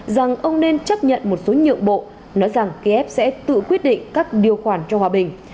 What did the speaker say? rằng ông nên chấp nhận một số nhượng bộ nói rằng kiev sẽ tự quyết định các điều khoản cho hòa bình